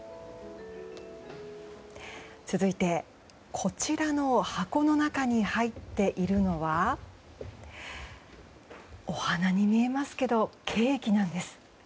続いて、こちらの箱の中に入っているのはお花に見えますけどケーキなんです。